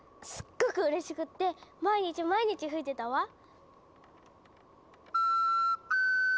すっごくうれしくって毎日毎日吹いてたわ。